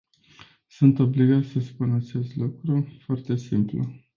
Sunt obligat să spun acest lucru, foarte simplu.